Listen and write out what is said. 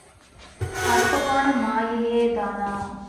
அற்பமான மாயை யேதானா?